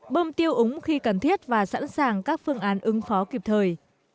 bơm tiêu úng khi cần thiết và sẵn sàng các phương án ứng phó kịp thời